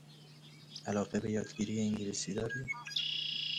علاقه به یادگیری انگلیسی داری؟